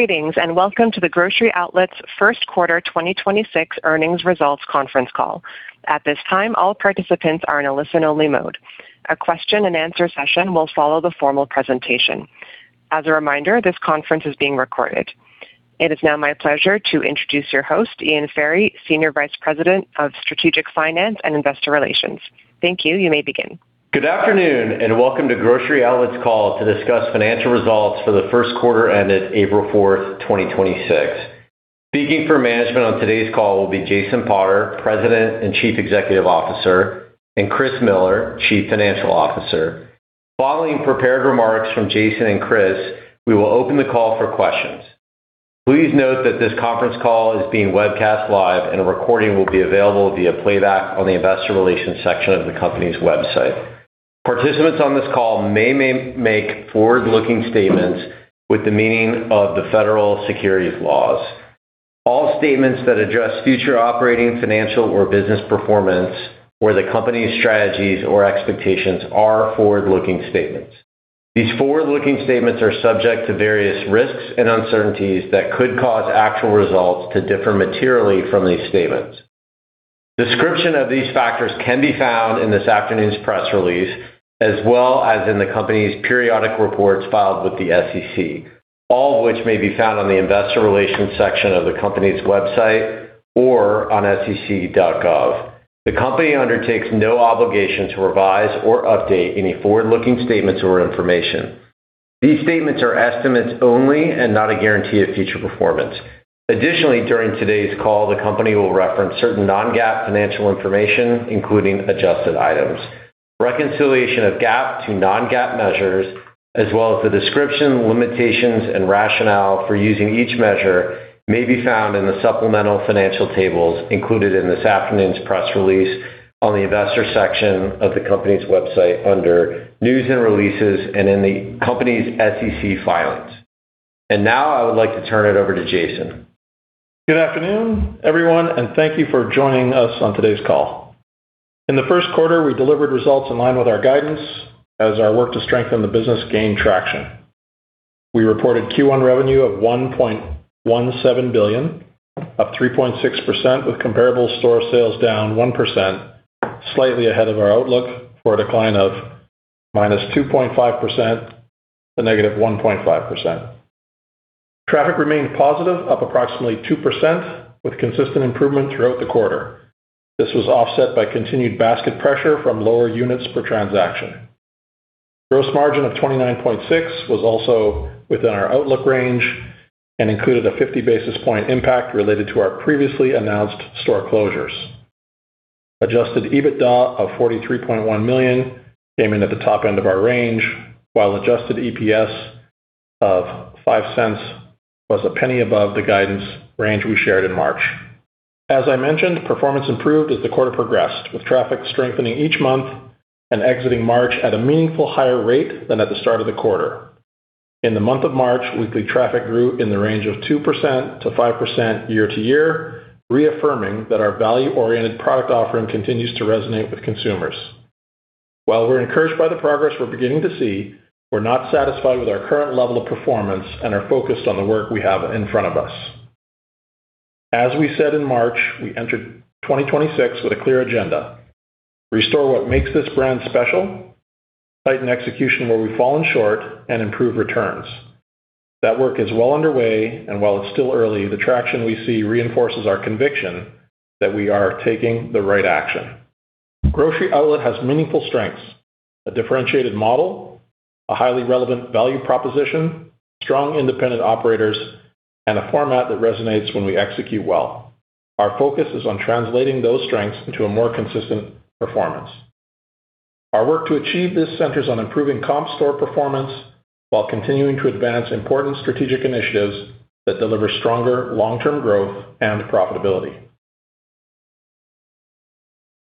Greetings, and welcome to the Grocery Outlet's first quarter 2026 earnings results conference call. At this time, all participants are in a listen-only mode. A question-and-answer session will follow the formal presentation. As a reminder, this conference is being recorded. It is now my pleasure to introduce your host, Ian Ferry, Senior Vice President of Strategic Finance and Investor Relations. Thank you. You may begin. Good afternoon, and welcome to Grocery Outlet's call to discuss financial results for the first quarter ended April 4th, 2026. Speaking for management on today's call will be Jason Potter, President and Chief Executive Officer, and Chris Miller, Chief Financial Officer. Following prepared remarks from Jason and Chris, we will open the call for questions. Please note that this conference call is being webcast live, and a recording will be available via playback on the investor relations section of the company's website. Participants on this call may make forward-looking statements with the meaning of the federal securities laws. All statements that address future operating, financial, or business performance or the company's strategies or expectations are forward-looking statements. These forward-looking statements are subject to various risks and uncertainties that could cause actual results to differ materially from these statements. Description of these factors can be found in this afternoon's press release, as well as in the company's periodic reports filed with the SEC, all of which may be found on the investor relations section of the company's website or on sec.gov. The company undertakes no obligation to revise or update any forward-looking statements or information. These statements are estimates only and not a guarantee of future performance. Additionally, during today's call, the company will reference certain non-GAAP financial information, including adjusted items. Reconciliation of GAAP to non-GAAP measures, as well as the description, limitations, and rationale for using each measure may be found in the supplemental financial tables included in this afternoon's press release on the investors section of the company's website under news and releases and in the company's SEC filings. Now, I would like to turn it over to Jason. Good afternoon, everyone, and thank you for joining us on today's call. In the first quarter, we delivered results in line with our guidance as our work to strengthen the business gained traction. We reported Q1 revenue of $1.17 billion, up 3.6%, with comparable store sales down 1%, slightly ahead of our outlook for a decline of -2.5% to -1.5%. Traffic remained positive, up approximately 2%, with consistent improvement throughout the quarter. This was offset by continued basket pressure from lower units per transaction. Gross margin of 29.6% was also within our outlook range and included a 50-basis-point impact related to our previously announced store closures. Adjusted EBITDA of $43.1 million came in at the top end of our range, while adjusted EPS of $0.05 was $0.01 above the guidance range we shared in March. As I mentioned, performance improved as the quarter progressed, with traffic strengthening each month and exiting March at a meaningful higher rate than at the start of the quarter. In the month of March, weekly traffic grew in the range of 2%-5% year-to-year, reaffirming that our value-oriented product offering continues to resonate with consumers. While we're encouraged by the progress we're beginning to see, we're not satisfied with our current level of performance and are focused on the work we have in front of us. As we said in March, we entered 2026 with a clear agenda: restore what makes this brand special, tighten execution where we've fallen short, and improve returns. That work is well underway, and while it's still early, the traction we see reinforces our conviction that we are taking the right action. Grocery Outlet has meaningful strengths, a differentiated model, a highly relevant value proposition, strong independent operators, and a format that resonates when we execute well. Our focus is on translating those strengths into a more consistent performance. Our work to achieve these centers on improving comp store performance while continuing to advance important strategic initiatives that deliver stronger long-term growth and profitability.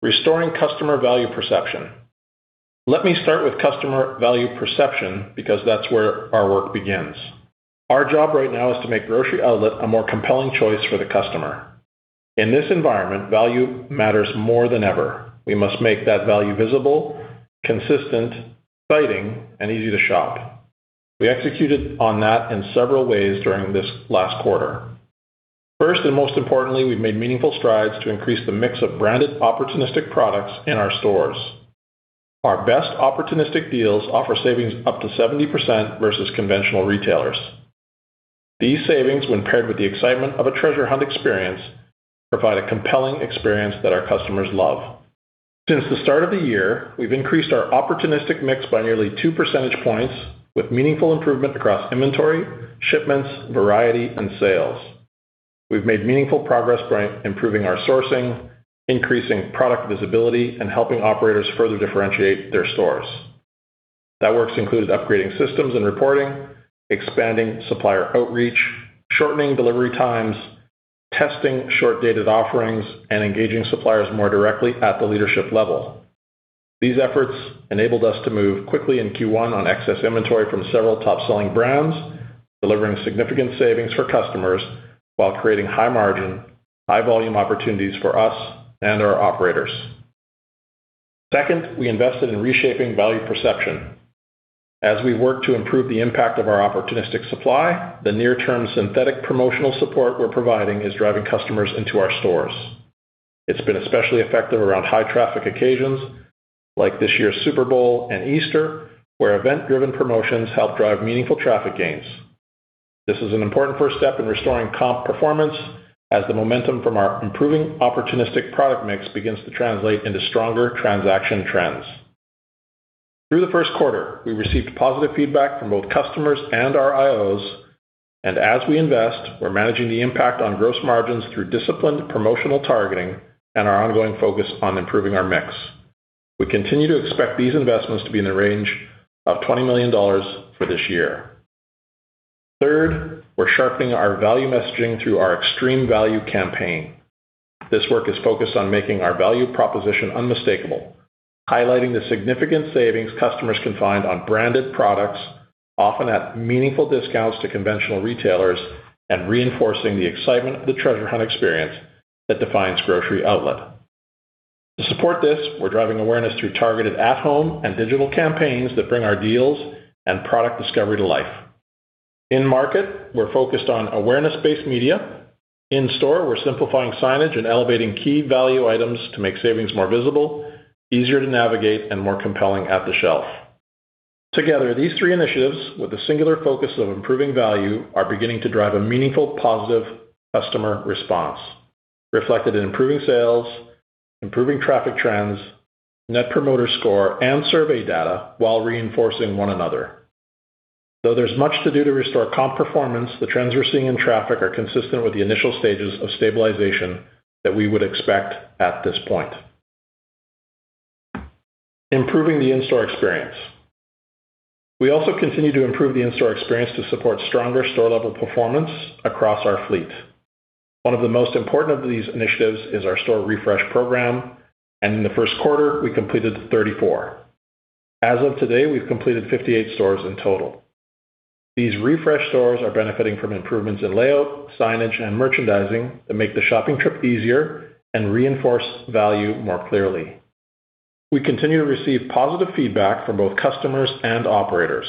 Restoring customer value perception. Let me start with customer value perception, because that's where our work begins. Our job right now is to make Grocery Outlet a more compelling choice for the customer. In this environment, value matters more than ever. We must make that value visible, consistent, exciting, and easy to shop. We executed on that in several ways during this last quarter. First, and most importantly, we've made meaningful strides to increase the mix of branded opportunistic products in our stores. Our best opportunistic deals offer savings up to 70% versus conventional retailers. These savings, when paired with the excitement of a treasure hunt experience, provide a compelling experience that our customers love. Since the start of the year, we've increased our opportunistic mix by nearly 2 percentage points with meaningful improvement across inventory, shipments, variety, and sales. We've made meaningful progress by improving our sourcing, increasing product visibility, and helping operators further differentiate their stores. That works included upgrading systems and reporting, expanding supplier outreach, shortening delivery times, testing short-dated offerings, and engaging suppliers more directly at the leadership level. These efforts enabled us to move quickly in Q1 on excess inventory from several top-selling brands, delivering significant savings for customers while creating high margin, high volume opportunities for us and our operators. Second, we invested in reshaping value perception. As we work to improve the impact of our opportunistic supply, the near term synthetic promotional support we're providing is driving customers into our stores. It's been especially effective around high traffic occasions like this year's Super Bowl and Easter, where event-driven promotions help drive meaningful traffic gains. This is an important first step in restoring comp performance as the momentum from our improving opportunistic product mix begins to translate into stronger transaction trends. Through the first quarter, we received positive feedback from both customers and our IOs, and as we invest, we're managing the impact on gross margins through disciplined promotional targeting and our ongoing focus on improving our mix. We continue to expect these investments to be in the range of $20 million for this year. Third, we're sharpening our value messaging through our extreme value campaign. This work is focused on making our value proposition unmistakable, highlighting the significant savings customers can find on branded products, often at meaningful discounts to conventional retailers, and reinforcing the excitement of the treasure hunt experience that defines Grocery Outlet. To support this, we're driving awareness through targeted at home and digital campaigns that bring our deals and product discovery to life. In market, we're focused on awareness-based media. In store, we're simplifying signage and elevating key value items to make savings more visible, easier to navigate, and more compelling at the shelf. Together, these three initiatives, with a singular focus on improving value, are beginning to drive a meaningful, positive customer response, reflected in improving sales, improving traffic trends, Net Promoter Score, and survey data while reinforcing one another. Though there's much to do to restore comp performance, the trends we're seeing in traffic are consistent with the initial stages of stabilization that we would expect at this point. Improving the in-store experience. We also continue to improve the in-store experience to support stronger store-level performance across our fleet. One of the most important of these initiatives is our store refresh program, and in the first quarter, we completed 34. As of today, we've completed 58 stores in total. These refresh stores are benefiting from improvements in layout, signage, and merchandising that make the shopping trip easier and reinforce value more clearly. We continue to receive positive feedback from both customers and operators,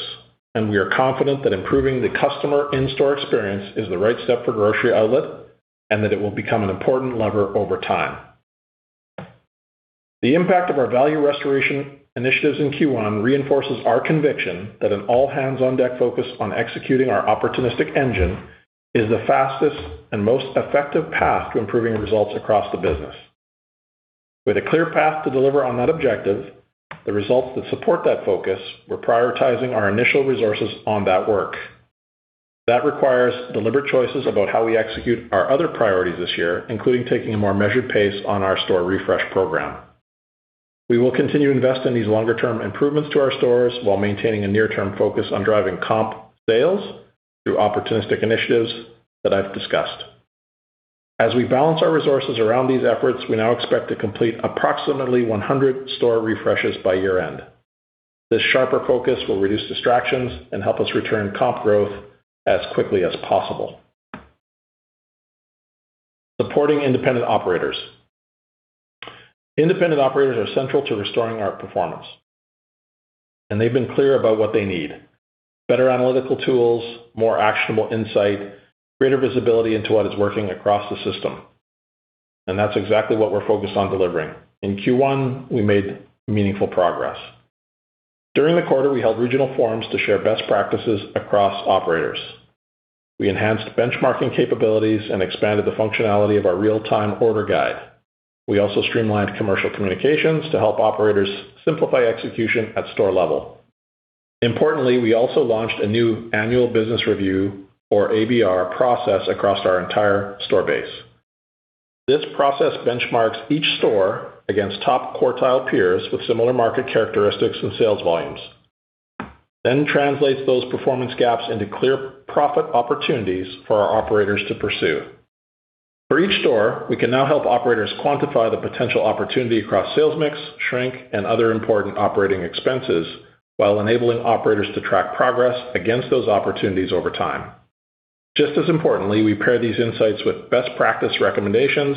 and we are confident that improving the customer in-store experience is the right step for Grocery Outlet and that it will become an important lever over time. The impact of our value restoration initiatives in Q1 reinforces our conviction that an all-hands-on-deck focus on executing our opportunistic engine is the fastest and most effective path to improving results across the business. With a clear path to deliver on that objective, the results that support that focus, we're prioritizing our initial resources on that work. That requires deliberate choices about how we execute our other priorities this year, including taking a more measured pace on our store refresh program. We will continue to invest in these longer-term improvements to our stores while maintaining a near-term focus on driving comp sales through opportunistic initiatives that I've discussed. As we balance our resources around these efforts, we now expect to complete approximately 100 store refreshes by year-end. This sharper focus will reduce distractions and help us return comp growth as quickly as possible. Supporting independent operators. Independent operators are central to restoring our performance, and they've been clear about what they need: better analytical tools, more actionable insight, greater visibility into what is working across the system, and that's exactly what we're focused on delivering. In Q1, we made meaningful progress. During the quarter, we held regional forums to share best practices across operators. We enhanced benchmarking capabilities and expanded the functionality of our real-time order guide. We also streamlined commercial communications to help operators simplify execution at store level. Importantly, we also launched a new Annual Business Review or ABR process across our entire store base. This process benchmarks each store against top quartile peers with similar market characteristics and sales volumes, then translates those performance gaps into clear profit opportunities for our operators to pursue. For each store, we can now help operators quantify the potential opportunity across sales mix, shrink, and other important operating expenses while enabling operators to track progress against those opportunities over time. Just as importantly, we pair these insights with best practice recommendations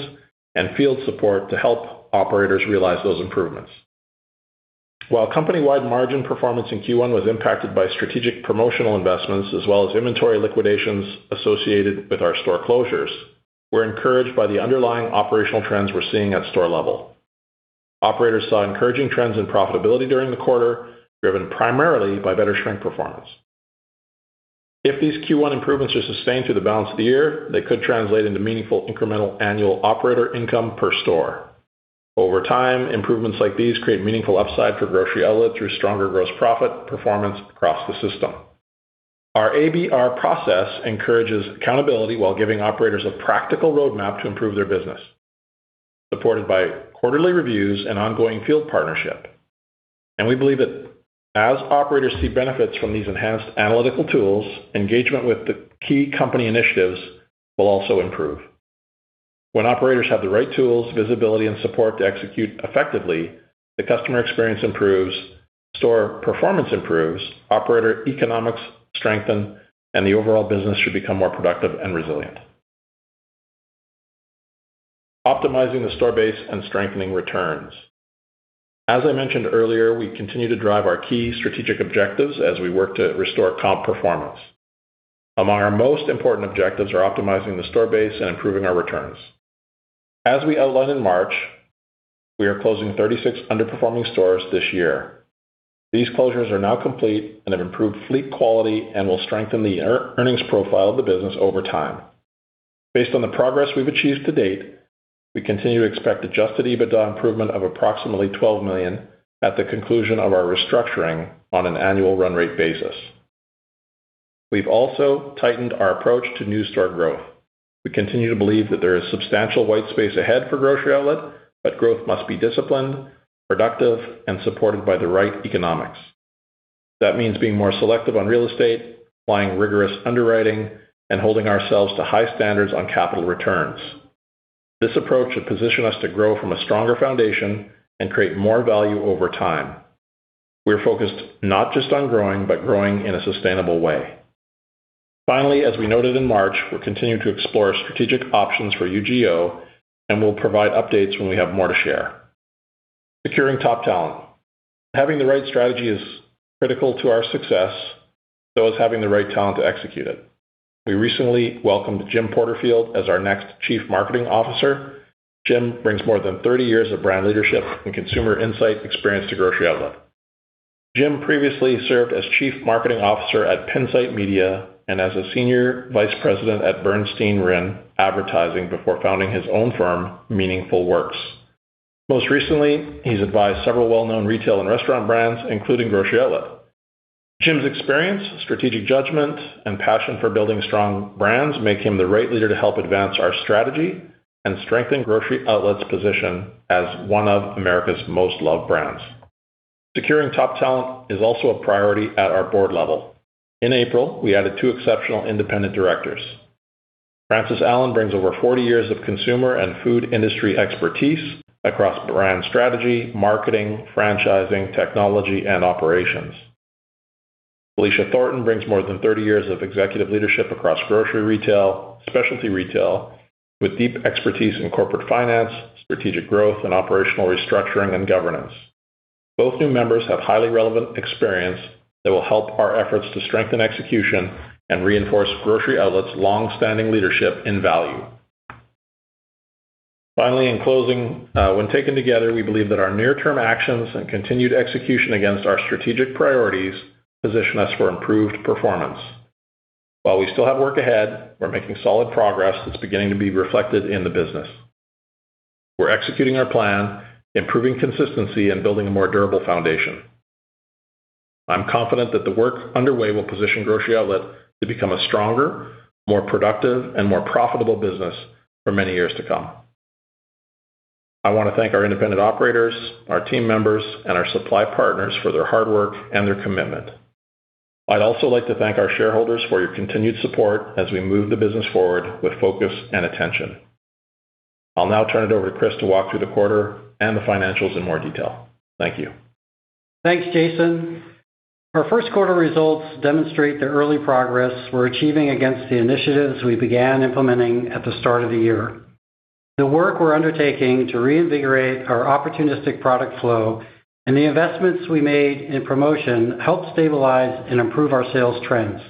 and field support to help operators realize those improvements. While company-wide margin performance in Q1 was impacted by strategic promotional investments as well as inventory liquidations associated with our store closures, we're encouraged by the underlying operational trends we're seeing at store level. Operators saw encouraging trends in profitability during the quarter, driven primarily by better shrink performance. If these Q1 improvements are sustained through the balance of the year, they could translate into meaningful incremental annual operator income per store. Over time, improvements like these create meaningful upside for Grocery Outlet through stronger gross profit performance across the system. Our ABR process encourages accountability while giving operators a practical roadmap to improve their business, supported by quarterly reviews and ongoing field partnership. We believe that as operators see benefits from these enhanced analytical tools, engagement with the key company initiatives will also improve. When operators have the right tools, visibility, and support to execute effectively, the customer experience improves, store performance improves, operator economics strengthen, and the overall business should become more productive and resilient. Optimizing the store base and strengthening returns. As I mentioned earlier, we continue to drive our key strategic objectives as we work to restore comp performance. Among our most important objectives are optimizing the store base and improving our returns. As we outlined in March, we are closing 36 underperforming stores this year. These closures are now complete and have improved fleet quality and will strengthen the earnings profile of the business over time. Based on the progress we've achieved to date, we continue to expect adjusted EBITDA improvement of approximately $12 million at the conclusion of our restructuring on an annual run rate basis. We've also tightened our approach to new store growth. We continue to believe that there is substantial white space ahead for Grocery Outlet, but growth must be disciplined, productive, and supported by the right economics. That means being more selective on real estate, applying rigorous underwriting, and holding ourselves to high standards on capital returns. This approach should position us to grow from a stronger foundation and create more value over time. We're focused not just on growing, but growing in a sustainable way. Finally, as we noted in March, we're continuing to explore strategic options for UGO, and we'll provide updates when we have more to share. Securing top talent. Having the right strategy is critical to our success, so is having the right talent to execute it. We recently welcomed Jim Porterfield as our next Chief Marketing Officer. Jim brings more than 30 years of brand leadership and consumer insight experience to Grocery Outlet. Jim previously served as Chief Marketing Officer at Pinsight Media and as a Senior Vice President at Bernstein-Rein Advertising before founding his own firm, Meaningful Works. Most recently, he's advised several well-known retail and restaurant brands, including Grocery Outlet. Jim's experience, strategic judgment, and passion for building strong brands make him the right leader to help advance our strategy and strengthen Grocery Outlet's position as one of America's most loved brands. Securing top talent is also a priority at our board level. In April, we added two exceptional independent directors. Frances Allen brings over 40 years of consumer and food industry expertise across brand strategy, marketing, franchising, technology, and operations. Felicia Thornton brings more than 30 years of executive leadership across grocery retail, specialty retail with deep expertise in corporate finance, strategic growth, and operational restructuring and governance. Both new members have highly relevant experience that will help our efforts to strengthen execution and reinforce Grocery Outlet's longstanding leadership in value. Finally, in closing, when taken together, we believe that our near-term actions and continued execution against our strategic priorities position us for improved performance. While we still have work ahead, we're making solid progress that's beginning to be reflected in the business. We're executing our plan, improving consistency, and building a more durable foundation. I'm confident that the work underway will position Grocery Outlet to become a stronger, more productive, and more profitable business for many years to come. I want to thank our independent operators, our team members, and our supply partners for their hard work and their commitment. I'd also like to thank our shareholders for your continued support as we move the business forward with focus and attention. I'll now turn it over to Chris to walk through the quarter and the financials in more detail. Thank you. Thanks, Jason. Our first quarter results demonstrate the early progress we're achieving against the initiatives we began implementing at the start of the year. The work we're undertaking to reinvigorate our opportunistic product flow and the investments we made in promotion helped stabilize and improve our sales trends.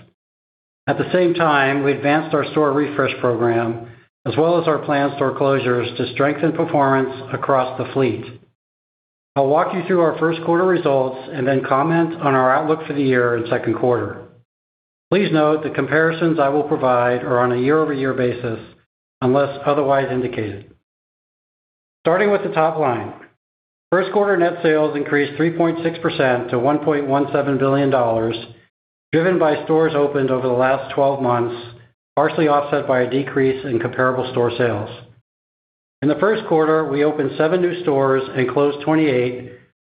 At the same time, we advanced our store refresh program as well as our planned store closures to strengthen performance across the fleet. I'll walk you through our first quarter results and then comment on our outlook for the year in second quarter. Please note the comparisons I will provide are on a year-over-year basis unless otherwise indicated. Starting with the top line, first quarter net sales increased 3.6% to $1.17 billion, driven by stores opened over the last 12 months, partially offset by a decrease in comparable store sales. In the first quarter, we opened seven new stores and closed 28,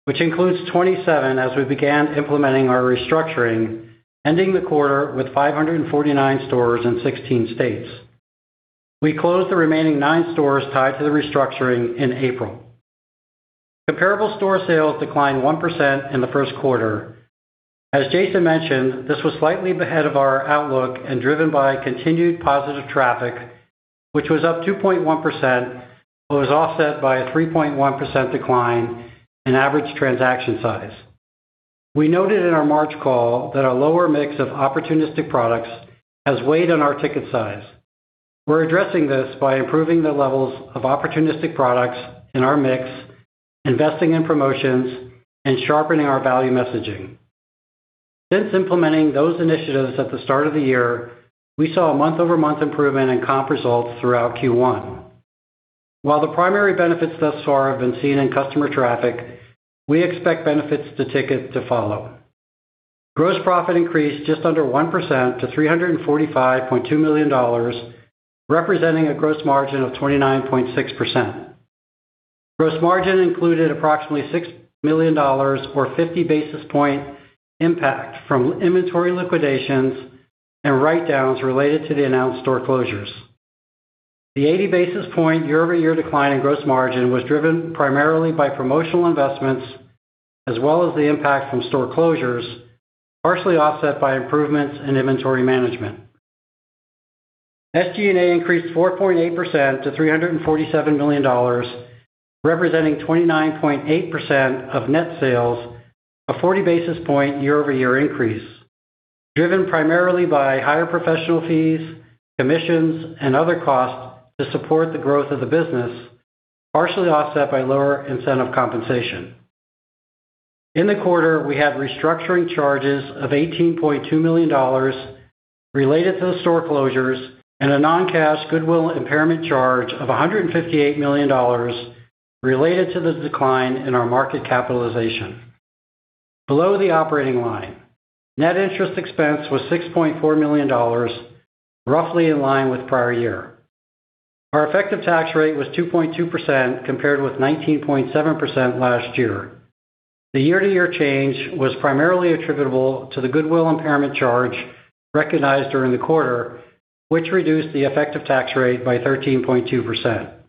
which includes 27 as we began implementing our restructuring, ending the quarter with 549 stores in 16 states. We closed the remaining nine stores tied to the restructuring in April. Comparable store sales declined 1% in the first quarter. As Jason mentioned, this was slightly ahead of our outlook and driven by continued positive traffic, which was up 2.1%, but was offset by a 3.1% decline in average transaction size. We noted in our March call that our lower mix of opportunistic products has weighed on our ticket size. We're addressing this by improving the levels of opportunistic products in our mix, investing in promotions, and sharpening our value messaging. Since implementing those initiatives at the start of the year, we saw a month-over-month improvement in comp results throughout Q1. While the primary benefits thus far have been seen in customer traffic, we expect benefits to ticket to follow. Gross profit increased just under 1% to $345.2 million, representing a gross margin of 29.6%. Gross margin included approximately $6 million or 50-basis-point impact from inventory liquidations and write-downs related to the announced store closures. The 80-basis-point year-over-year decline in gross margin was driven primarily by promotional investments as well as the impact from store closures, partially offset by improvements in inventory management. SG&A increased 4.8% to $347 million, representing 29.8% of net sales, a 40-basis-point year-over-year increase, driven primarily by higher professional fees, commissions, and other costs to support the growth of the business, partially offset by lower incentive compensation. In the quarter, we had restructuring charges of $18.2 million related to the store closures and a non-cash goodwill impairment charge of $158 million related to the decline in our market capitalization. Below the operating line, net interest expense was $6.4 million, roughly in line with prior year. Our effective tax rate was 2.2% compared with 19.7% last year. The year-to-year change was primarily attributable to the goodwill impairment charge recognized during the quarter, which reduced the effective tax rate by 13.2%.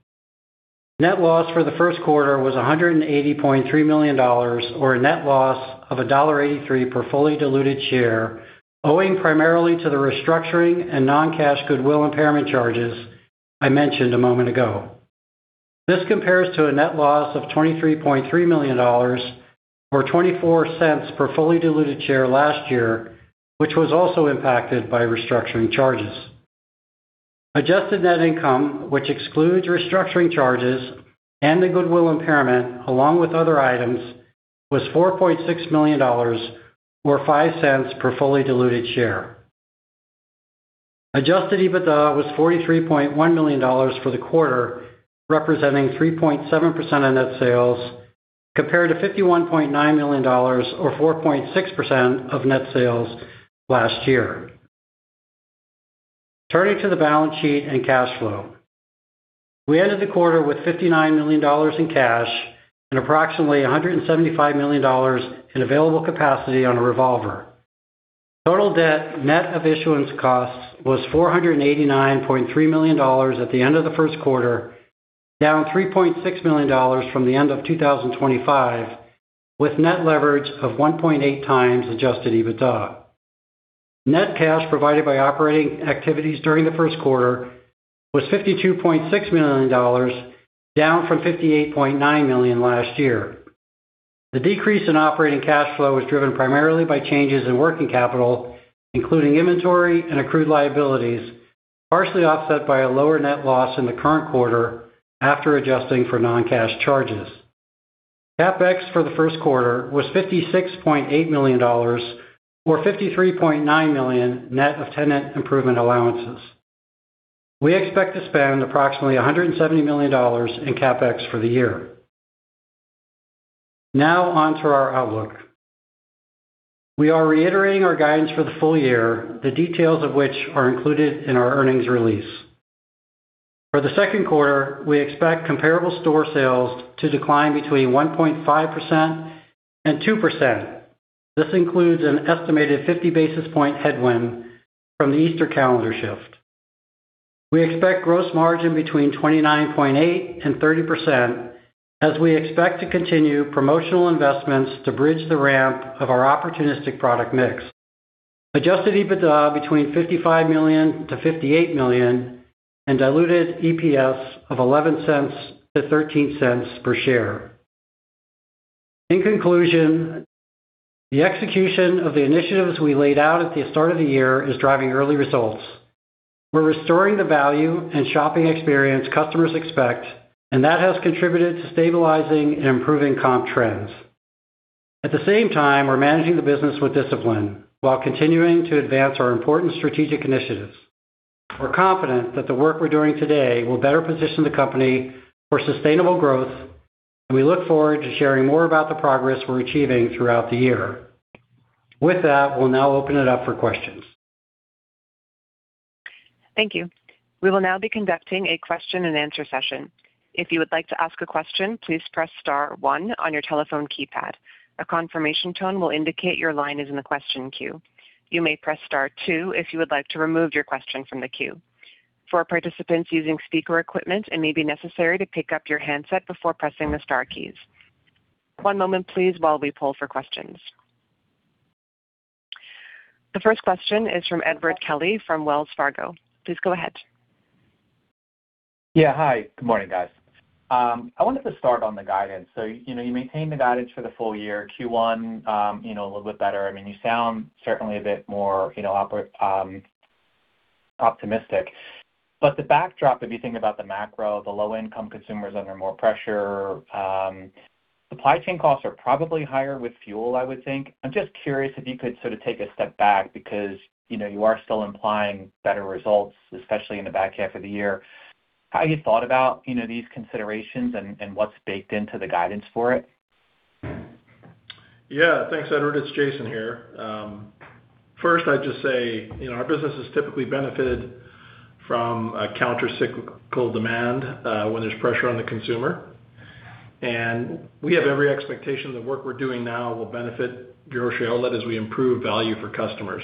Net loss for the first quarter was $180.3 million, or a net loss of $1.83 per fully diluted share, owing primarily to the restructuring and non-cash goodwill impairment charges I mentioned a moment ago. This compares to a net loss of $23.3 million, or $0.24 per fully diluted share last year, which was also impacted by restructuring charges. Adjusted net income, which excludes restructuring charges and the goodwill impairment, along with other items, was $4.6 million, or $0.05 per fully diluted share. Adjusted EBITDA was $43.1 million for the quarter, representing 3.7% of net sales, compared to $51.9 million or 4.6% of net sales last year. Turning to the balance sheet and cash flow. We ended the quarter with $59 million in cash and approximately $175 million in available capacity on a revolver. Total debt net of issuance costs was $489.3 million at the end of the first quarter, down $3.6 million from the end of 2025, with net leverage of 1.8x adjusted EBITDA. Net cash provided by operating activities during the first quarter was $52.6 million, down from $58.9 million last year. The decrease in operating cash flow was driven primarily by changes in working capital, including inventory and accrued liabilities, partially offset by a lower net loss in the current quarter after adjusting for non-cash charges. CapEx for the first quarter was $56.8 million or $53.9 million net of tenant improvement allowances. We expect to spend approximately $170 million in CapEx for the year. Now on to our outlook. We are reiterating our guidance for the full year, the details of which are included in our earnings release. For the second quarter, we expect comparable store sales to decline between 1.5% and 2%. This includes an estimated 50-basis-point headwind from the Easter calendar shift. We expect gross margin between 29.8% and 30% as we expect to continue promotional investments to bridge the ramp of our opportunistic product mix. Adjusted EBITDA between $55 million-$58 million and diluted EPS of $0.11-$0.13 per share. In conclusion, the execution of the initiatives we laid out at the start of the year is driving early results. We're restoring the value and shopping experience customers expect, and that has contributed to stabilizing and improving comp trends. At the same time, we're managing the business with discipline while continuing to advance our important strategic initiatives. We're confident that the work we're doing today will better position the company for sustainable growth, and we look forward to sharing more about the progress we're achieving throughout the year. With that, we'll now open it up for questions. Thank you. We will now be conducting a question-and-answer session. If you would like to ask a question, please press star one on your telephone keypad. A confirmation tone will indicate your line is in the question queue. You may press star two if you would like to remove your question from the queue. For participants using speaker equipment, it may be necessary to pick up your handset before pressing the star keys. One moment please while we poll for questions. The first question is from Edward Kelly from Wells Fargo. Please go ahead. Yeah. Hi. Good morning, guys. I wanted to start on the guidance. You know, you maintain the guidance for the full year, Q1, you know, a little bit better. I mean, you sound certainly a bit more, you know, optimistic. But the backdrop, if you think about the macro, the low-income consumer is under more pressure. Supply chain costs are probably higher with fuel, I would think. I'm just curious if you could sort of take a step back because, you know, you are still implying better results, especially in the back half of the year. How have you thought about, you know, these considerations and what's baked into the guidance for it? Yeah. Thanks, Edward. It's Jason here. First, I'd just say, you know, our business has typically benefited from a countercyclical demand when there's pressure on the consumer. And we have every expectation the work we're doing now will benefit Grocery Outlet as we improve value for customers.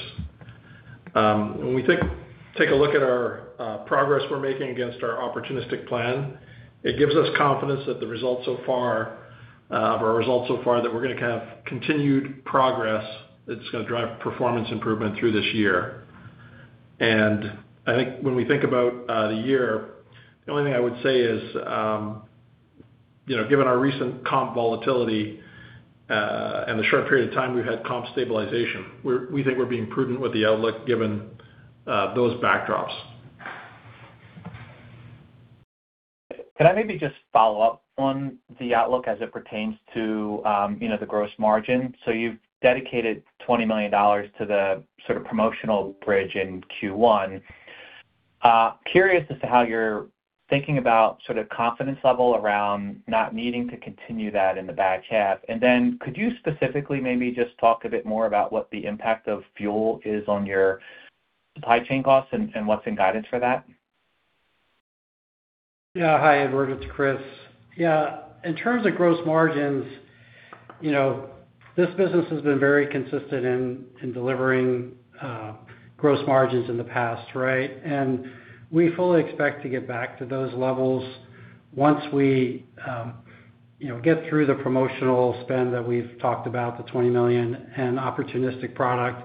When we take a look at our progress we're making against our opportunistic plan, it gives us confidence that the results so far, or our results so far that we're gonna have continued progress that's gonna drive performance improvement through this year. I think, when we think about the year, the only thing I would say is, you know, given our recent comp volatility, and the short period of time we've had comp stabilization, we think we're being prudent with the outlook given those backdrops. Can I maybe just follow up on the outlook as it pertains to, you know, the gross margin? You've dedicated $20 million to the sort of promotional bridge in Q1. Curious as to how you're thinking about sort of confidence level around not needing to continue that in the back half. Then, could you specifically maybe just talk a bit more about what the impact of fuel is on your supply chain costs and what's in guidance for that? Hi, Edward, it's Chris. Yeah. In terms of gross margins, you know, this business has been very consistent in delivering gross margins in the past, right, and we fully expect to get back to those levels once we, you know, get through the promotional spend that we've talked about, the $20 million, and opportunistic product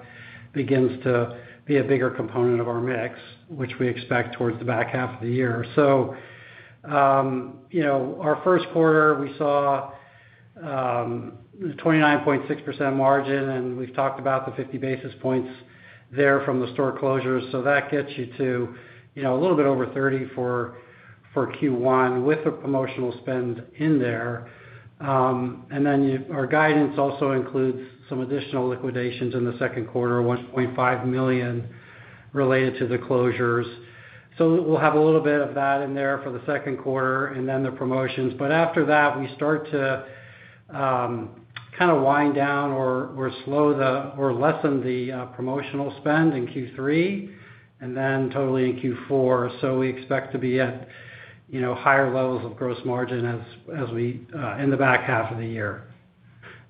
begins to be a bigger component of our mix, which we expect towards the back half of the year. Our first quarter, we saw 29.6% margin, and we've talked about the 50 basis points there from the store closures, so that gets you to, you know, a little bit over 30% for Q1 with a promotional spend in there. Our guidance also includes some additional liquidations in the second quarter, $1.5 million related to the closures, so we'll have a little bit of that in there for the second quarter and then the promotions. After that, we start to kind of wind down or lessen the promotional spend in Q3 and then totally in Q4. So, we expect to be at, you know, higher levels of gross margin as we, in the back half of the year.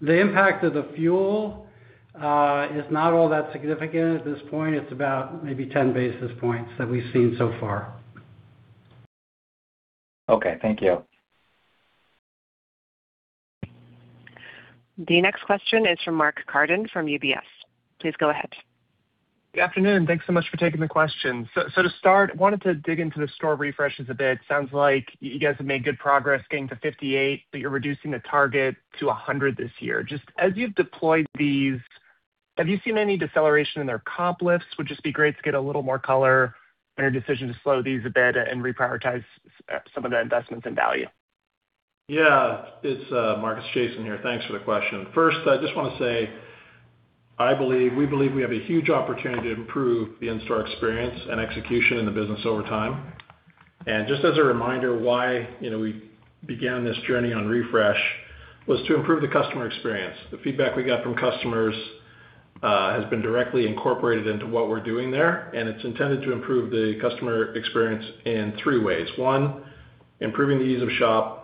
The impact of the fuel is not all that significant at this point. It's about maybe 10 basis points that we've seen so far. Okay. Thank you. The next question is from Mark Carden from UBS. Please go ahead. Good afternoon. Thanks so much for taking the question. To start, I wanted to dig into the store refreshes a bit. Sounds like you guys have made good progress getting to 58, but you're reducing the target to 100 this year. Just as you've deployed these, have you seen any deceleration in their comp lifts, which would just be great to get a little more color on your decision to slow these a bit and reprioritize some of the investments in value. Yeah. Mark, it's Jason here, thanks for the question. First, I just want to say, I believe, we believe we have a huge opportunity to improve the in-store experience and execution in the business over time. Just as a reminder why, you know, we began this journey on refresh was to improve the customer experience. The feedback we got from customers has been directly incorporated into what we're doing there, and it's intended to improve the customer experience in three ways. One, improving the ease of shop.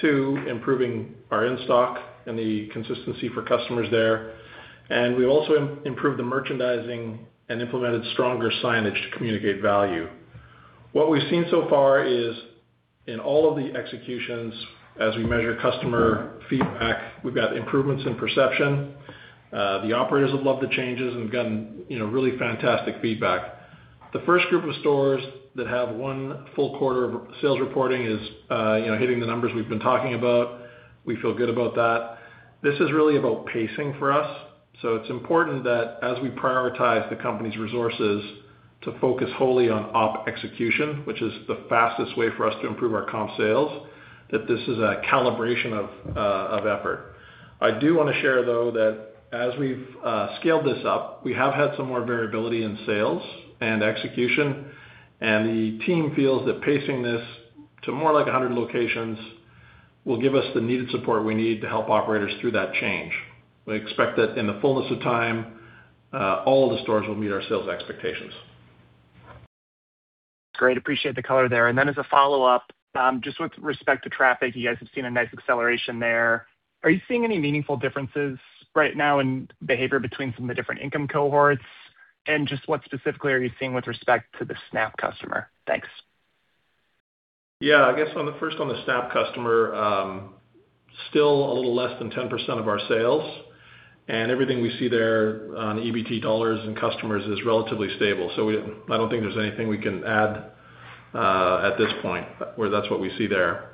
Two, improving our in-stock and the consistency for customers there. And we also improved the merchandising and implemented stronger signage to communicate value. What we've seen so far is in all of the executions, as we measure customer feedback, we've got improvements in perception. The operators have loved the changes and have gotten, you know, really fantastic feedback. The first group of stores that have one full quarter of sales reporting is, you know, hitting the numbers we've been talking about. We feel good about that. This is really about pacing for us. It's important that as we prioritize the company's resources to focus wholly on OP execution, which is the fastest way for us to improve our comp sales, that this is a calibration of effort. I do wanna share, though, that as we've scaled this up, we have had some more variability in sales and execution, and the team feels that pacing this to more like 100 locations will give us the needed support we need to help operators through that change. We expect that in the fullness of time, all the stores will meet our sales expectations. Great. Appreciate the color there. As a follow-up, just with respect to traffic, you guys have seen a nice acceleration there. Are you seeing any meaningful differences right now in behavior between some of the different income cohorts? And just what specifically are you seeing with respect to the SNAP customer? Thanks. Yeah. I guess first on the SNAP customer, still a little less than 10% of our sales and everything we see there on EBT dollars and customers is relatively stable. I don't think there's anything we can add at this point where that's what we see there.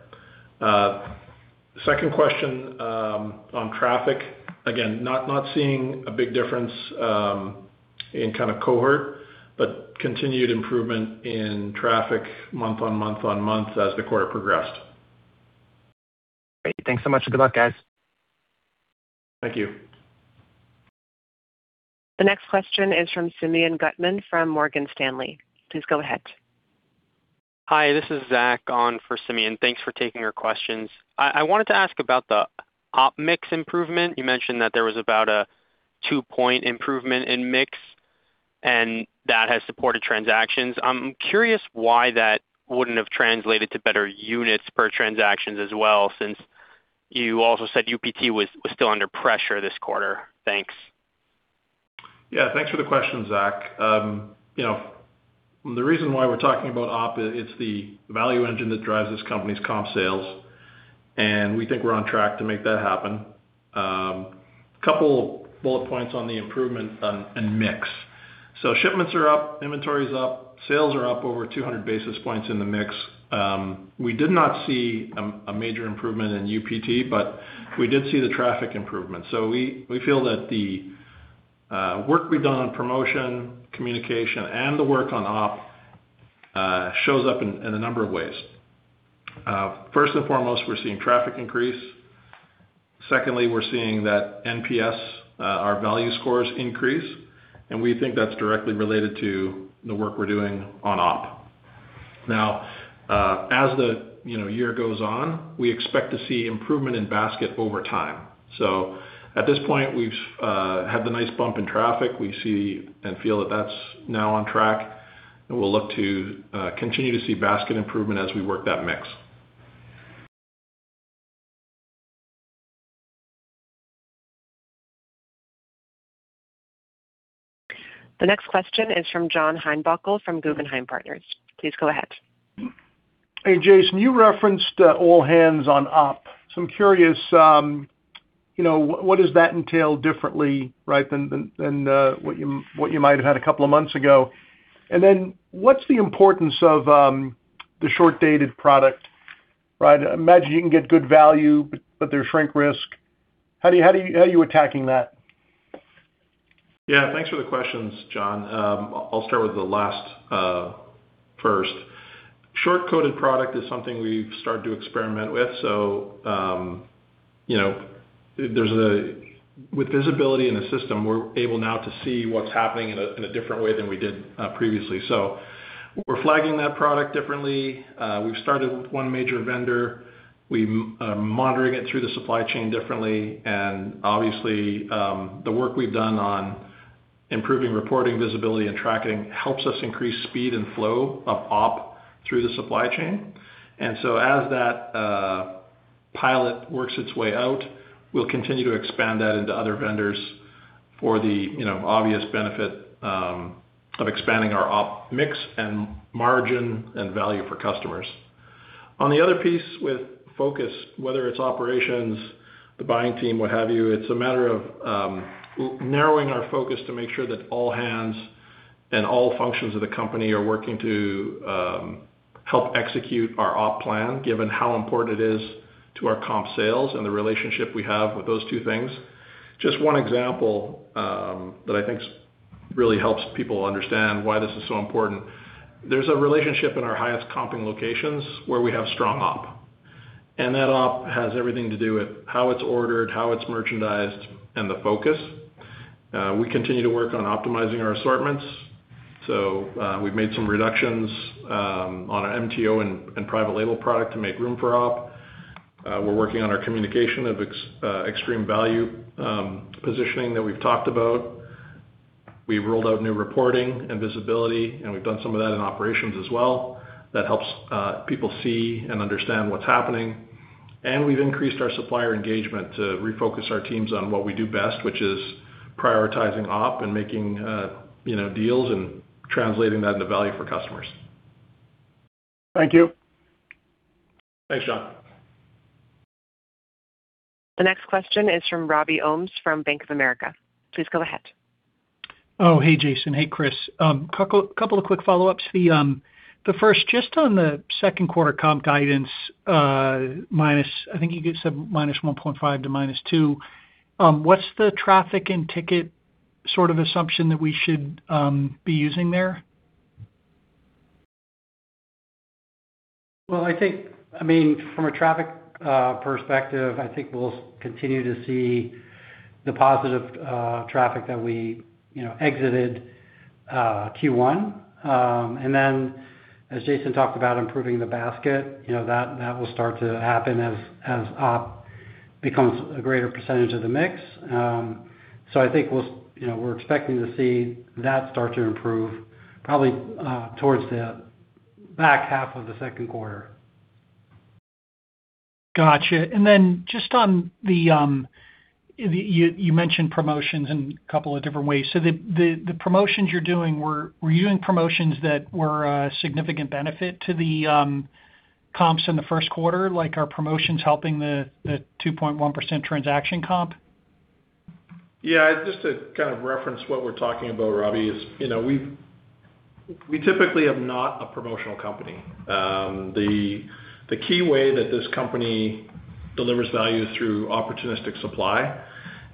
Second question, on traffic, again, not seeing a big difference in kind of cohort, but continued improvement in traffic month-on-month-on-month as the quarter progressed. Great. Thanks so much. Good luck, guys. Thank you. The next question is from Simeon Gutman from Morgan Stanley. Please go ahead. Hi, this is [Zach] on for Simeon. Thanks for taking our questions. I wanted to ask about the OP mix improvement. You mentioned that there was about a two-point improvement in mix, and that has supported transactions. I'm curious why that wouldn't have translated to better units per transactions as well, since you also said UPT was still under pressure this quarter. Thanks. Yeah, thanks for the question, [Zach]. You know, the reason why we're talking about OP is it's the value engine that drives this company's comp sales, and we think we're on track to make that happen. Couple bullet points on the improvement on mix. Shipments are up, inventory is up, sales are up over 200 basis points in the mix. We did not see a major improvement in UPT, but we did see the traffic improvement. We feel that the work we've done on promotion, communication, and the work on OP shows up in a number of ways. First and foremost, we're seeing traffic increase. Secondly, we're seeing that NPS, our value scores increase, and we think that's directly related to the work we're doing on OP. Now, as the, you know, year goes on, we expect to see improvement in basket over time. At this point, we've had the nice bump in traffic. We see and feel that that's now on track, and we'll look to continue to see basket improvement as we work that mix. The next question is from John Heinbockel from Guggenheim Partners. Please go ahead. Hey, Jason, you referenced all hands on OP. I'm curious, you know, what does that entail differently, right, than what you might have had a couple of months ago? Then, what's the importance of the short-dated product, right? I imagine you can get good value, but there's shrink risk. How are you attacking that? Yeah, thanks for the questions, John. I'll start with the last first. Short-coded product is something we've started to experiment with. You know, with visibility in the system, we're able now to see what's happening in a different way than we did previously, so we're flagging that product differently. We've started with one major vendor. We are monitoring it through the supply chain differently. Obviously, the work we've done on improving reporting, visibility, and tracking helps us increase speed and flow of OP through the supply chain. As that pilot works its way out, we'll continue to expand that into other vendors for the, you know, obvious benefit of expanding our OP mix and margin and value for customers. On the other piece with focus, whether it's operations, the buying team, what have you, it's a matter of narrowing our focus to make sure that all hands and all functions of the company are working to help execute our OP plan, given how important it is to our comp sales and the relationship we have with those two things. Just one example that I think really helps people understand why this is so important. There's a relationship in our highest comping locations where we have strong OP, and that OP has everything to do with how it's ordered, how it's merchandised, and the focus. We continue to work on optimizing our assortments. We've made some reductions on our MTO and private label product to make room for OP. We're working on our communication of extreme value positioning that we've talked about. We've rolled out new reporting and visibility, and we've done some of that in operations as well. That helps people see and understand what's happening. And we've increased our supplier engagement to refocus our teams on what we do best, which is prioritizing OP and making, you know, deals and translating that into value for customers. Thank you. Thanks, John. The next question is from Robbie Ohmes from Bank of America. Please go ahead. Oh, hey, Jason. Hey, Chris. A couple of quick follow-ups. The first, just on the second quarter comp guidance, I think you said -1.5% to -2%. What's the traffic and ticket sort of assumption that we should be using there? Well, I think, I mean, from a traffic perspective, I think we'll continue to see the positive traffic that we, you know, exited Q1. Then, as Jason talked about improving the basket, you know, that will start to happen as OP becomes a greater percentage of the mix. I think, you know, we're expecting to see that start to improve probably towards the back half of the second quarter. Gotcha. Just on the, you mentioned promotions in a couple of different ways. The promotions you're doing, were you doing promotions that were a significant benefit to the comps in the first quarter? Like, are promotions helping the 2.1% transaction comp? Yeah. Just to kind of reference what we're talking about, Robbie, is, you know, we typically are not a promotional company. The key way that this company delivers value is through opportunistic supply.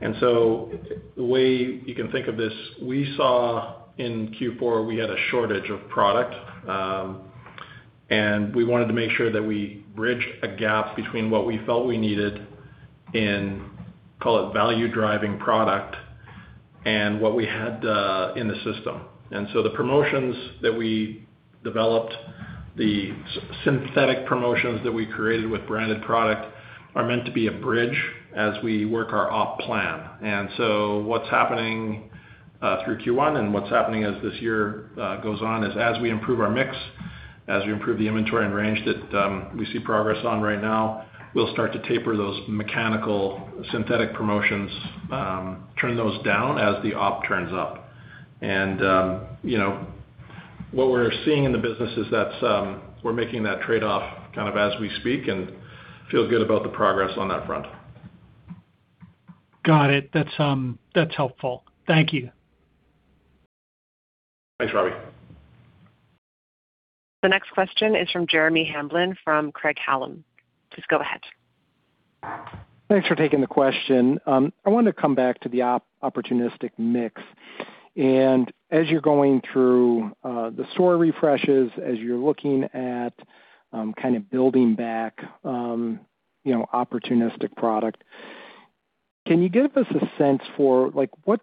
The way you can think of this, we saw in Q4, we had a shortage of product, and we wanted to make sure that we bridge a gap between what we felt we needed in, call it, value-driving product and what we had in the system, so the promotions that we developed, the synthetic promotions that we created with branded product are meant to be a bridge as we work our OP plan. So, what's happening through Q1 and what's happening as this year goes on is as we improve our mix, as we improve the inventory and range that we see progress on right now, we'll start to taper those mechanical synthetic promotions, turn those down as the OP turns up. You know, what we're seeing in the business is that's we're making that trade-off kind of as we speak and feel good about the progress on that front. Got it. That's helpful. Thank you. Thanks, Robbie. The next question is from Jeremy Hamblin from Craig-Hallum. Please go ahead. Thanks for taking the question. I wanted to come back to the opportunistic mix. As you're going through the store refreshes, as you're looking at kind of building back, you know, opportunistic product, can you give us a sense for like, what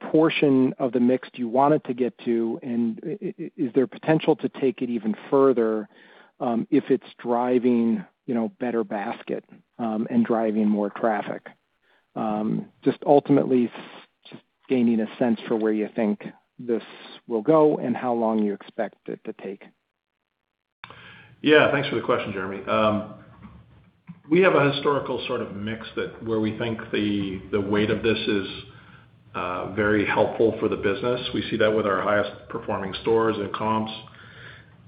portion of the mix do you want it to get to? Is there potential to take it even further, if it's driving, you know, better basket and driving more traffic? Just ultimately just gaining a sense for where you think this will go and how long you expect it to take. Yeah, thanks for the question, Jeremy. We have a historical sort of mix that where we think the weight of this is very helpful for the business. We see that with our highest performing stores and comps.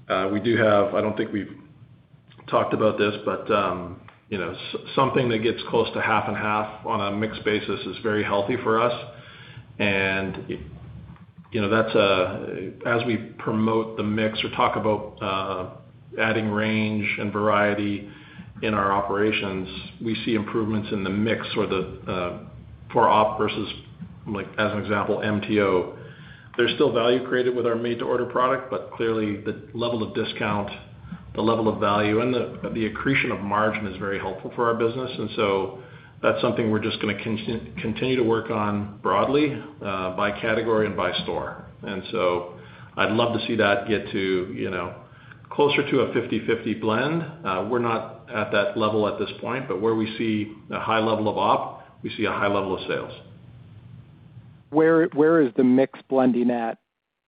I don't think we've talked about this, but, you know, something that gets close to half and half on a mix basis is very healthy for us. You know, as we promote the mix or talk about adding range and variety in our operations, we see improvements in the mix or the for OP versus, like, as an example, MTO. There's still value created with our made to order product, but clearly the level of discount, the level of value, and the accretion of margin is very helpful for our business. That's something we're just gonna continue to work on broadly, by category and by store. I'd love to see that get to, you know, closer to a 50/50 blend. We're not at that level at this point, but where we see a high level of OP, we see a high level of sales. Where is the mix blending at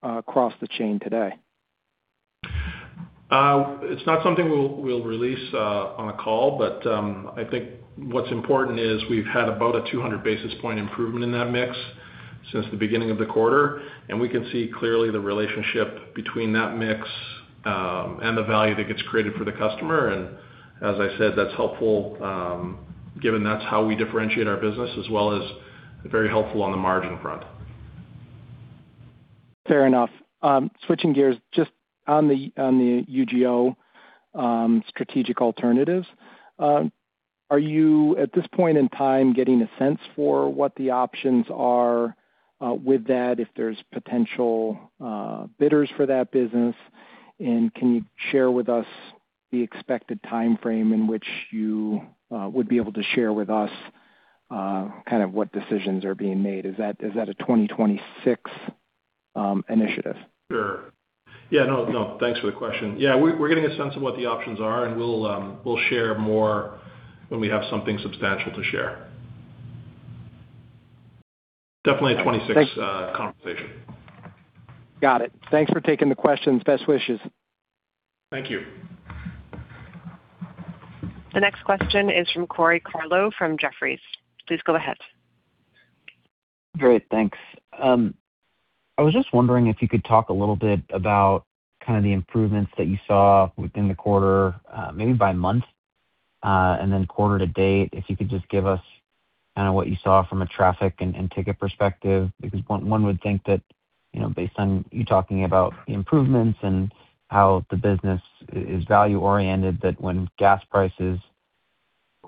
across the chain today? It's not something we'll release on a call, but I think what's important is we've had about a 200-basis-point improvement in that mix since the beginning of the quarter, and we can see clearly the relationship between that mix and the value that gets created for the customer. As I said, that's helpful given that's how we differentiate our business as well as very helpful on the margin front. Fair enough. Switching gears, just on the, on the UGO strategic alternatives, are you at this point in time getting a sense for what the options are with that if there's potential bidders for that business? Can you share with us the expected timeframe in which you would be able to share with us, kind of what decisions are being made? Is that, is that a 2026, initiative? Sure. Yeah, no, thanks for the question. Yeah, we're getting a sense of what the options are, and we'll share more when we have something substantial to share. Definitely a 2026 conversation Got it. Thanks for taking the questions. Best wishes. Thank you. The next question is from Corey Tarlowe from Jefferies. Please go ahead. Great. Thanks. I was just wondering if you could talk a little bit about kind of the improvements that you saw within the quarter, maybe by month, and then quarter-to-date. If you could just give us kinda what you saw from a traffic and ticket perspective, because one would think that, you know, based on you talking about the improvements and how the business is value-oriented, that when gas prices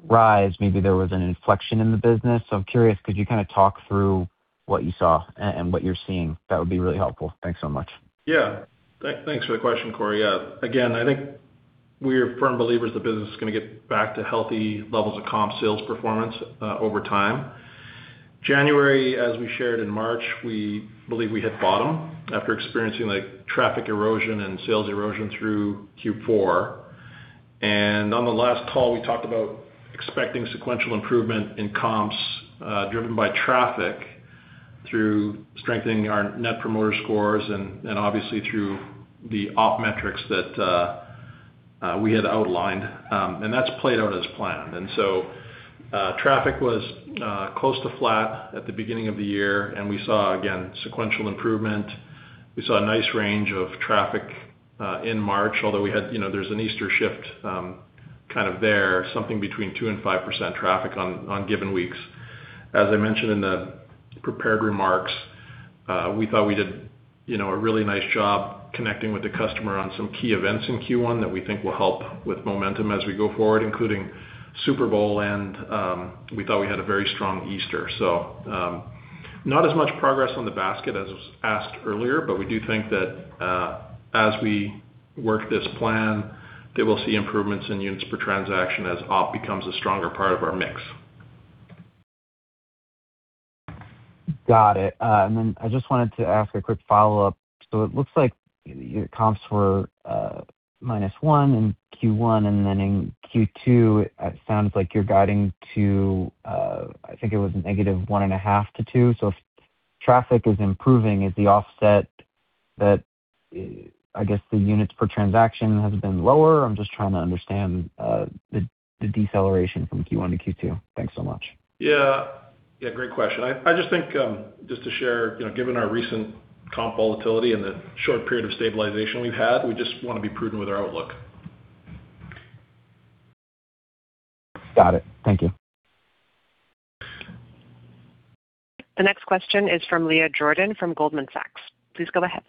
rise, maybe there was an inflection in the business. I'm curious, could you kinda talk through what you saw and what you're seeing? That would be really helpful. Thanks so much. Yeah. Thanks for the question, Corey. Again, I think we're firm believers the business is gonna get back to healthy levels of comp sales performance over time. January, as we shared in March, we believe we hit bottom after experiencing, like, traffic erosion and sales erosion through Q4. On the last call, we talked about expecting sequential improvement in comps driven by traffic through strengthening our Net Promoter Scores and obviously through the OP metrics that we had outlined, and that's played out as planned. Traffic was close to flat at the beginning of the year, and we saw, again, sequential improvement. We saw a nice range of traffic in March, although we had, you know, there's an Easter shift kind of there, something between 2% and 5% traffic on given weeks. As I mentioned in the prepared remarks, we thought we did, you know, a really nice job connecting with the customer on some key events in Q1 that we think will help with momentum as we go forward, including Super Bowl and we thought we had a very strong Easter. Not as much progress on the basket as was asked earlier, but we do think that, as we work this plan, that we'll see improvements in units per transaction as OP becomes a stronger part of our mix. Got it. I just wanted to ask a quick follow-up. It looks like your comps were -1% in Q1, and then in Q2, it sounds like you're guiding to, I think it was -1.5% to -2%. If traffic is improving, is the offset that, I guess the units per transaction has been lower? I'm just trying to understand the deceleration from Q1 to Q2. Thanks so much. Yeah. Yeah, great question. I just think, just to share, you know, given our recent comp volatility and the short period of stabilization we've had, we just wanna be prudent with our outlook. Got it. Thank you. The next question is from Leah Jordan from Goldman Sachs. Please go ahead.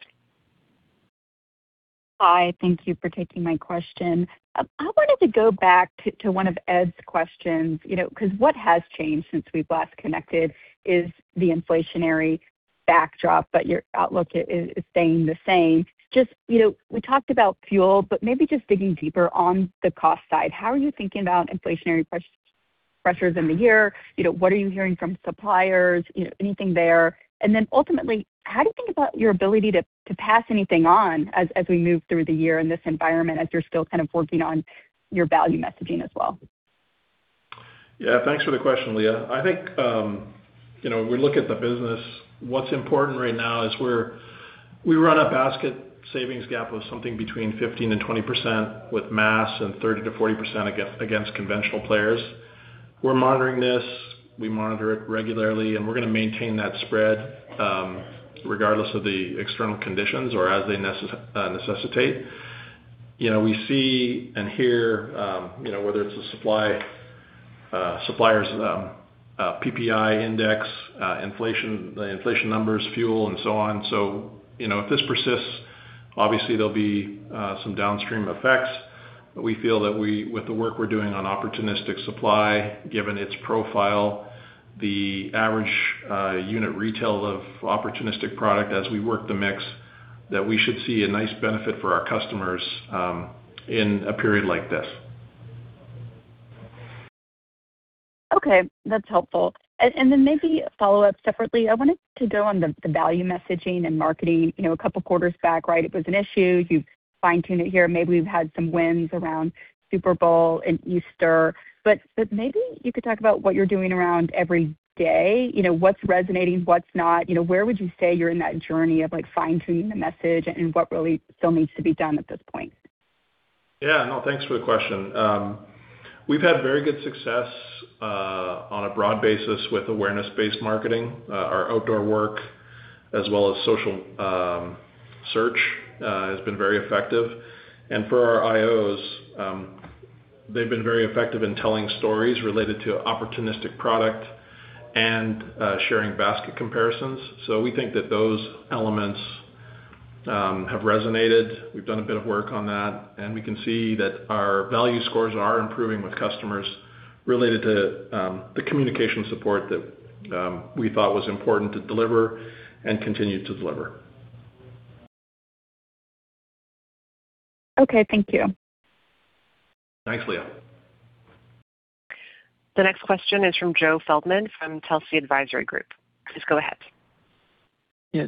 Hi, thank you for taking my question. I wanted to go back to one of Ed's questions, you know, 'cause what has changed since we've last connected is the inflationary backdrop, but your outlook is staying the same. Just, you know, we talked about fuel, but maybe just digging deeper on the cost side, how are you thinking about inflationary pressures in the year? You know, what are you hearing from suppliers? You know, anything there. Then ultimately, how do you think about your ability to pass anything on as we move through the year in this environment, as you're still kind of working on your value messaging as well? Yeah. Thanks for the question, Leah. I think, you know, when we look at the business, what's important right now is we run a basket savings gap of something between 15% and 20% with mass and 30% to 40% against conventional players. We're monitoring this. We monitor it regularly, and we're gonna maintain that spread, regardless of the external conditions or as they necessitate. You know, we see and hear, you know, whether it's a supply, suppliers, PPI index, inflation, the inflation numbers, fuel, and so on. You know, if this persists, obviously there'll be some downstream effects. We feel that we, with the work we're doing on opportunistic supply, given its profile, the average unit retail of opportunistic product as we work the mix, that we should see a nice benefit for our customers in a period like this. Okay. That's helpful. Maybe a follow-up separately. I wanted to go on the value messaging and marketing. You know, two quarters back, right, it was an issue. You've fine-tuned it here. Maybe we've had some wins around Super Bowl and Easter, but maybe you could talk about what you're doing around every day. You know, what's resonating, what's not. You know, where would you say you're in that journey of, like, fine-tuning the message, and what really still needs to be done at this point? Yeah, no, thanks for the question. We've had very good success on a broad basis with awareness-based marketing. Our outdoor work as well as social search has been very effective. For our IOs, they've been very effective in telling stories related to opportunistic product and sharing basket comparisons. We think that those elements have resonated. We've done a bit of work on that, and we can see that our value scores are improving with customers related to the communication support that we thought was important to deliver and continue to deliver. Okay. Thank you. Thanks, Leah. The next question is from Joe Feldman from Telsey Advisory Group. Please go ahead.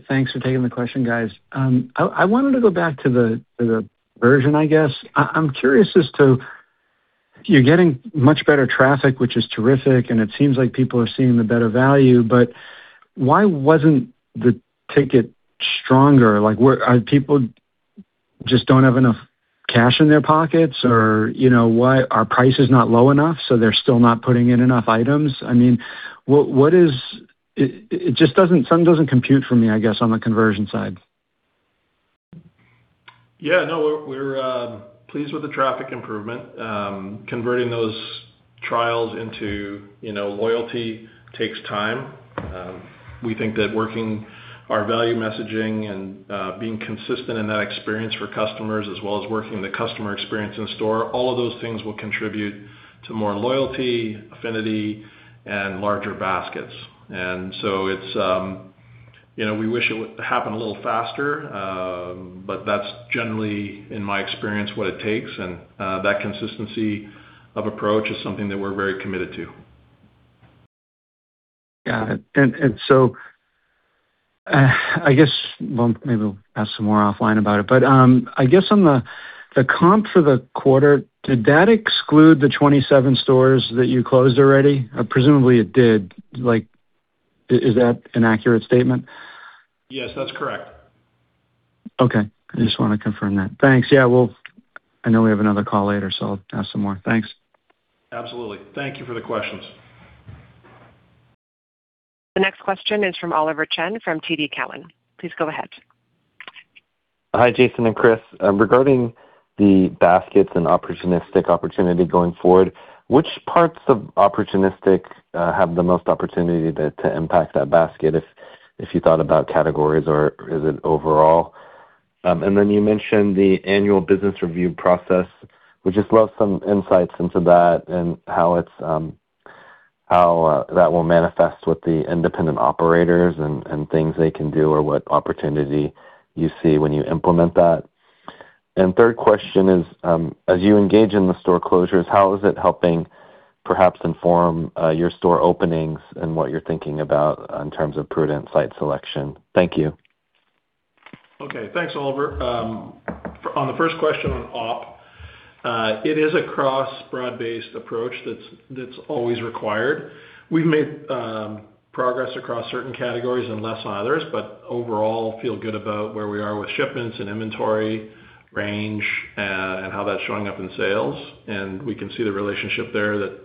Thanks for taking the question, guys. I wanted to go back to the conversion, I guess. I'm curious as to, you're getting much better traffic, which is terrific, and it seems like people are seeing the better value, but why wasn't the ticket stronger? Like, are people just don't have enough cash in their pockets or, you know, why are prices not low enough, so they're still not putting in enough items? I mean, what is, it just doesn't something doesn't compute for me, I guess, on the conversion side. Yeah. No. We're pleased with the traffic improvement. Converting those trials into, you know, loyalty takes time. We think that working our value messaging and being consistent in that experience for customers as well as working the customer experience in store, all of those things will contribute to more loyalty, affinity, and larger baskets. It's, you know, we wish it would happen a little faster, but that's generally, in my experience, what it takes. That consistency of approach is something that we're very committed to. Got it. I guess, maybe we'll ask some more offline about it, but I guess on the comp for the quarter, did that exclude the 27 stores that you closed already? I presume that it did. Like, is that an accurate statement? Yes, that's correct. Okay. I just wanna confirm that. Thanks. Yeah, I will, I know we have another call later, so I'll ask some more. Thanks. Absolutely. Thank you for the questions. The next question is from Oliver Chen from TD Cowen. Please go ahead. Hi, Jason and Chris. Regarding the baskets and opportunistic opportunity going forward, which parts of opportunistic have the most opportunity to impact that basket, if you thought about categories, or is it overall? Then, you mentioned the Annual Business Review process, would just love some insights into that and how it's, how that will manifest with the independent operators and things they can do or what opportunity you see when you implement that. Third question is as you engage in the store closures, how is it helping perhaps inform your store openings and what you're thinking about in terms of prudent site selection? Thank you. Okay. Thanks, Oliver. On the first question on OP, it is a cross broad-based approach that's always required. We've made progress across certain categories and less on others but overall, feel good about where we are with shipments and inventory range and how that's showing up in sales. We can see the relationship there that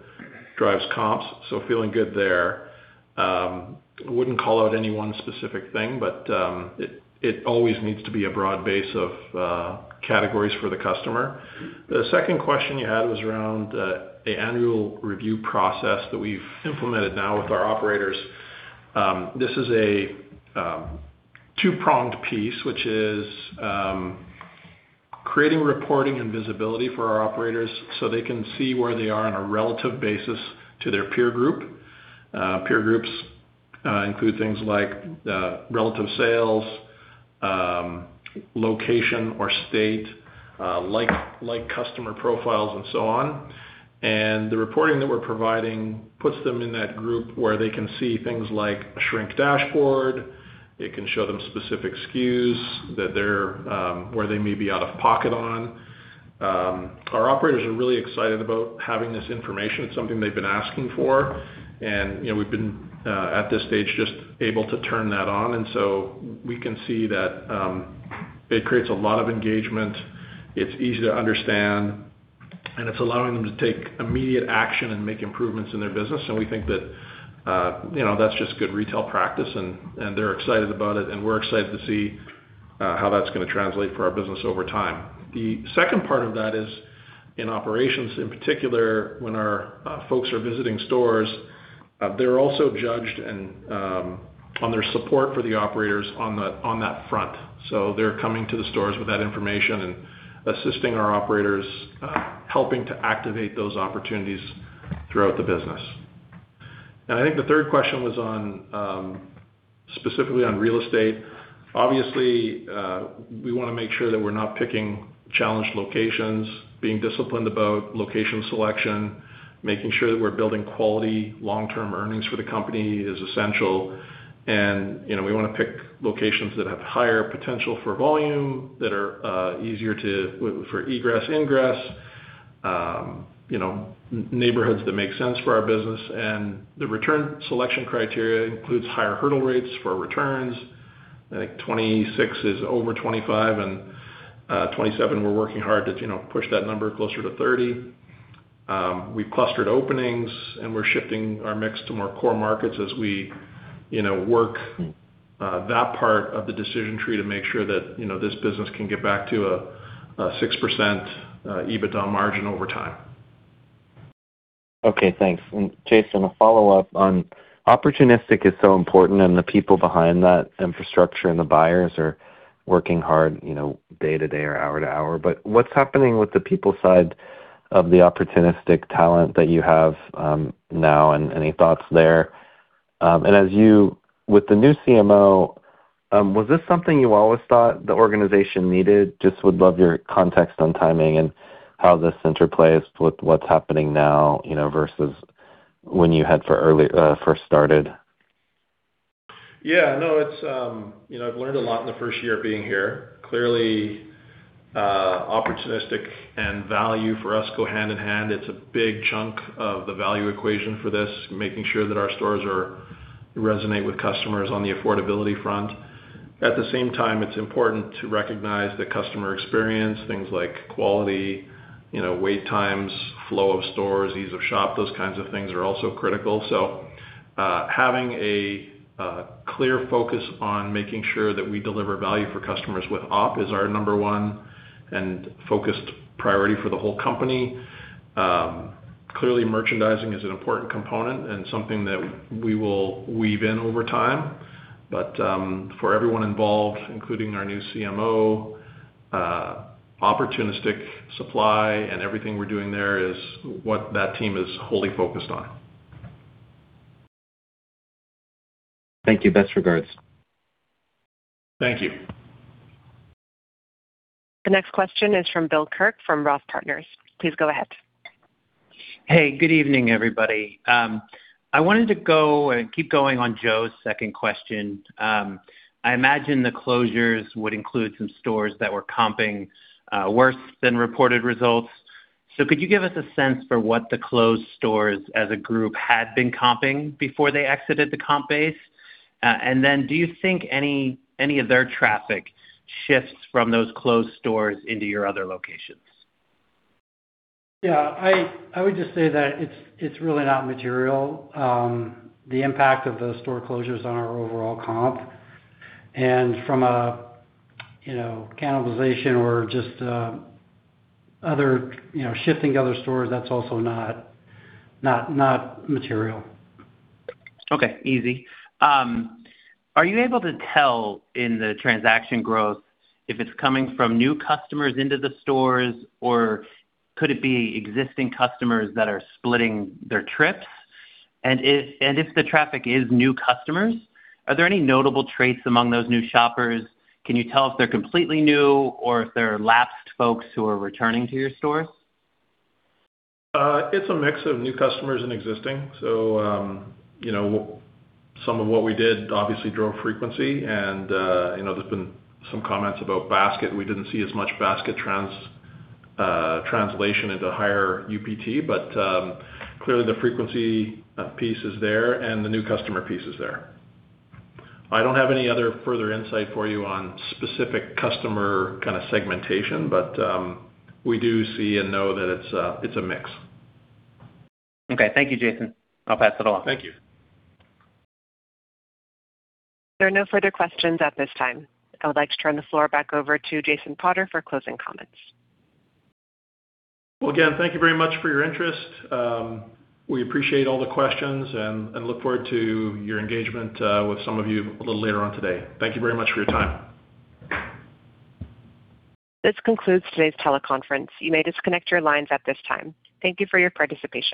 drives comps, so feeling good there. Wouldn't call out any one specific thing, but it always needs to be a broad base of categories for the customer. The second question you had was around the annual review process that we've implemented now with our operators. This is a two-pronged piece, which is creating reporting and visibility for our operators so they can see where they are on a relative basis to their peer group. Peer groups include things like relative sales, location or state, like customer profiles and so on. The reporting that we're providing puts them in that group where they can see things like shrink dashboard. It can show them specific SKUs that they're where they may be out of pocket on. Our operators are really excited about having this information. It's something they've been asking for. You know, we've been at this stage, just able to turn that on, and so we can see that it creates a lot of engagement. It's easy to understand, and it's allowing them to take immediate action and make improvements in their business. We think that, you know, that's just good retail practice and they're excited about it, and we're excited to see how that's gonna translate for our business over time. The second part of that is in operations, in particular, when our folks are visiting stores, they're also judged on their support for the operators on that front. They're coming to the stores with that information and assisting our operators, helping to activate those opportunities throughout the business. I think the third question was on, specifically, on real estate. Obviously, we wanna make sure that we're not picking challenged locations, being disciplined about location selection, making sure that we're building quality long-term earnings for the company is essential. You know, we wanna pick locations that have higher potential for volume, that are easier for egress, ingress, you know, neighborhoods that make sense for our business. The return selection criteria includes higher hurdle rates for returns. I think 26 is over 25, 27, we're working hard to, you know, push that number closer to 30. We've clustered openings and we're shifting our mix to more core markets as we, you know, work that part of the decision tree to make sure that, you know, this business can get back to a 6% EBITDA margin over time Okay, thanks. Jason, a follow-up on opportunistic is so important and the people behind that infrastructure and the buyers are working hard, you know, day-to-day or hour-to-hour. What's happening with the people side of the opportunistic talent that you have, now and any thoughts there? As you, with the new CMO, was this something you always thought the organization needed? Just would love your context on timing and how this interplays with what's happening now, you know, versus when you had first started. Yeah, no, it's, you know, I've learned a lot in the first year of being here. Clearly, opportunistic and value for us go hand in hand. It's a big chunk of the value equation for this, making sure that our stores resonate with customers on the affordability front. At the same time, it's important to recognize the customer experience, things like quality, you know, wait times, flow of stores, ease of shop, those kinds of things are also critical. So, having a clear focus on making sure that we deliver value for customers with OP is our number one and focused priority for the whole company. Clearly, merchandising is an important component and something that we will weave in over time. For everyone involved, including our new CMO, opportunistic supply and everything we're doing there is what that team is wholly focused on. Thank you. Best regards. Thank you. The next question is from Bill Kirk from Roth Partners. Please go ahead. Hey, good evening, everybody. I wanted to go and keep going on Joe's second question. I imagine the closures would include some stores that were comping worse than reported results. Could you give us a sense for what the closed stores as a group had been comping before they exited the comp base? Do you think any of their traffic shifts from those closed stores into your other locations? I would just say that it's really not material, the impact of those store closures on our overall comp. From a, you know, cannibalization or just, other, you know, shifting to other stores, that's also not material. Okay, easy. Are you able to tell in the transaction growth if it's coming from new customers into the stores, or could it be existing customers that are splitting their trips? If the traffic is new customers, are there any notable traits among those new shoppers? Can you tell if they're completely new or if they're lapsed folks who are returning to your stores? It's a mix of new customers and existing. You know, some of what we did obviously drove frequency and, you know, there's been some comments about basket. We didn't see as much basket translation into higher UPT, but clearly, the frequency piece is there, and the new customer piece is there. I don't have any other further insight for you on specific customer kinda segmentation, but we do see and know that it's a, it's a mix. Okay. Thank you, Jason. I'll pass it along. Thank you. There are no further questions at this time. I would like to turn the floor back over to Jason Potter for closing comments. Well, again, thank you very much for your interest. We appreciate all the questions and look forward to your engagement with some of you a little later on today. Thank you very much for your time. This concludes today's teleconference. You may disconnect your lines at this time. Thank you for your participation.